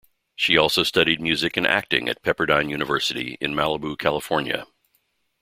She also studied music and acting at Pepperdine University in Malibu, California.